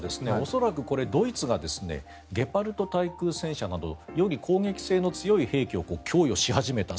恐らくドイツがゲパルト対空戦車などより攻撃性の強い兵器を供与し始めた。